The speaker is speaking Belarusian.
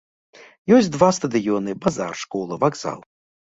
Ёсць два стадыёны, базар, школа, вакзал.